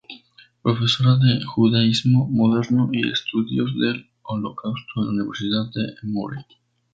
Profesora de Judaísmo Moderno y de Estudios del Holocausto en la Universidad de Emory.